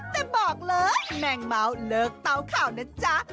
แต่บอกเลยแมงเม้าเลิกเตาข่าวนะจ๊ะ